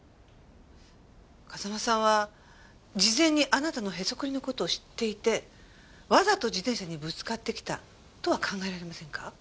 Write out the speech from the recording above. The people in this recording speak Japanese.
風間さんは事前にあなたのへそくりの事を知っていてわざと自転車にぶつかってきたとは考えられませんか？